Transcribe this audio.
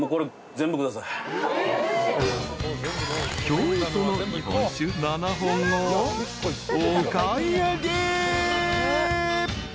［京都の日本酒７本をお買い上げ］